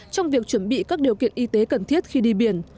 trong việc chuẩn bị các điều kiện y tế cần thiết khi đi biển